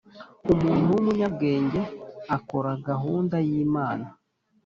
umuntu w'umunyabwenge akora gahunda y'imana